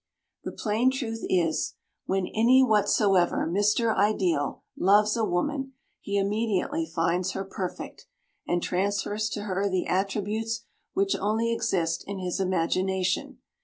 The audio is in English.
The plain truth is, when "any whatsoever" Mr. Ideal loves a woman, he immediately finds her perfect, and transfers to her the attributes which only exist in his imagination.